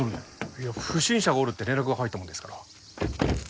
いや不審者がおるって連絡が入ったもんですから。